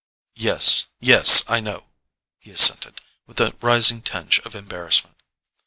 "Yes—yes; I know," he assented, with a rising tinge of embarrassment.